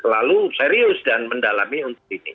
lalu serius dan mendalami untuk ini